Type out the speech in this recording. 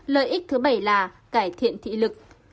lợi ích thứ bảy là cải thiện thị lực